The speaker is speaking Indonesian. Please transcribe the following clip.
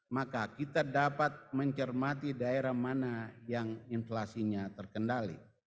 maka kita dapat mencermati daerah mana yang inflasinya terkendali